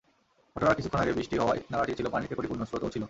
ঘটনার কিছুক্ষণ আগে বৃষ্টি হওয়ায় নালাটি ছিল পানিতে পরিপূর্ণ, স্রোতও ছিল।